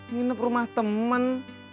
minum rumah temen